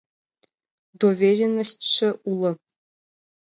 — Доверенностьшо уло...